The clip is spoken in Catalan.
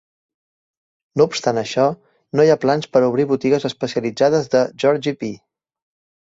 No obstant això, no hi ha plans per a obrir botigues especialitzades de Georgie Pie.